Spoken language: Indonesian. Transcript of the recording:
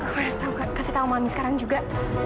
gue harus kasih tau mami sekarang juga